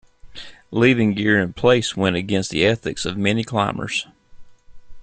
Leaving gear in place went against the ethics of many climbers.